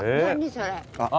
それ。